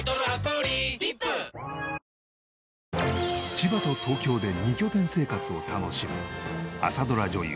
千葉と東京で２拠点生活を楽しむ朝ドラ女優